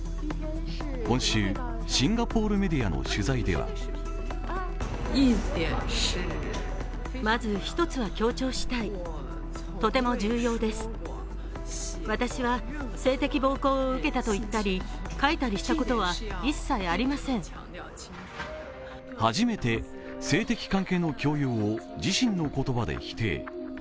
今週、シンガポールメディアの取材では初めて性的関係の強要を自身の言葉で否定。